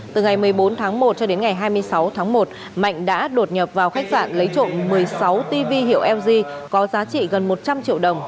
từ ngày một mươi bốn tháng một cho đến ngày hai mươi sáu tháng một mạnh đã đột nhập vào khách sạn lấy trộm một mươi sáu tv hiệu lg có giá trị gần một trăm linh triệu đồng